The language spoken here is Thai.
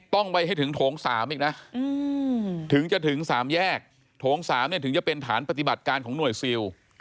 ต้องไปให้ถึงโถง๓อีกนะถึงจะถึง๓แยกโถง๓ถึงจะเป็นฐานปฏิบัติการของหน่วยซิล